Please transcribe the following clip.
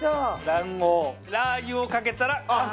卵黄ラー油をかけたら完成です。